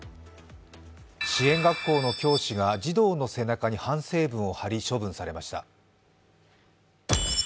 支援学校の教師が児童の背中に反省文を貼り処分されました。